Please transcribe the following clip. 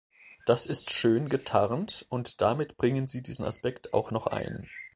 Das ist schön getarnt, und damit bringen sie diesen Aspekt auch noch ein.